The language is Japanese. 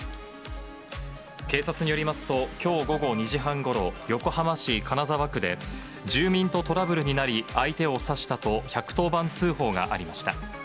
警察によりますと、きょう午後２時半ごろ、横浜市金沢区で、住民とトラブルになり、相手を刺したと１１０番通報がありました。